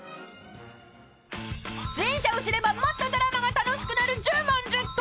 ［出演者を知ればもっとドラマが楽しくなる］